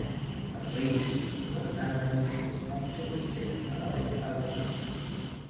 At least one analyst is optimistic about the outcome.